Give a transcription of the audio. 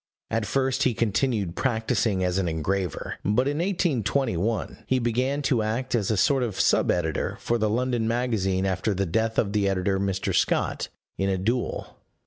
At first he continued practising as an engraver; but in 1821 he began to act as a sort of sub editor for the London Magazine after the death of the editor, Mr. Scott, in a duel.